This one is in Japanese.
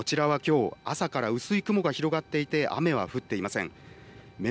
こちらはきょう朝から薄い雲が広がっていて雨は降っていません。